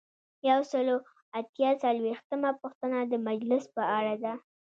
یو سل او اته څلویښتمه پوښتنه د مجلس په اړه ده.